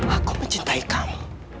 aku mencintai kamu